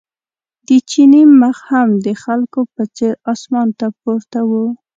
د چیني مخ هم د خلکو په څېر اسمان ته پورته و.